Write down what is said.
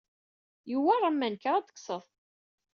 Yewwa ṛṛeman kker ad tekkseḍ.